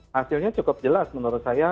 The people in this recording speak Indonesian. hasilnya cukup jelas menurut saya